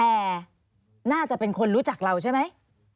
แต่น่าจะเป็นคนรู้จักเราใช่ไหม